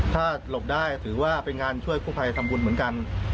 ถ้าหลบได้ถือว่าเป็นงานช่วยกู้ภัยทำบุญเหมือนกัน